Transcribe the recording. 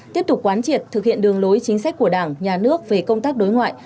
tiếp tục quán triệt thực hiện đường lối chính sách của đảng nhà nước về công tác đối ngoại